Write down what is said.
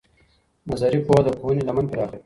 نظري پوهه د پوهنې لمن پراخوي.